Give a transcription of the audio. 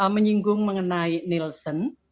menyinggung mengenai nielsen